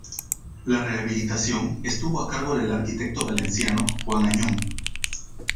La rehabilitación estuvo a cargo del arquitecto valenciano Juan Añón.